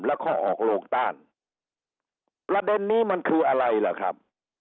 แล้วก็ออกโรงต้านประเด็นนี้มันคืออะไรล่ะครับ